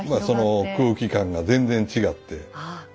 その空気感が全然違って。